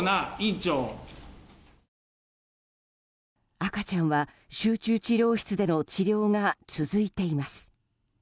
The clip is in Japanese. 赤ちゃんは集中治療室での治療が続いています。